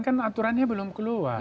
kan aturannya belum keluar